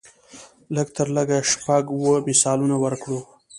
لږ تر لږه شپږ اووه مثالونه ورکړو.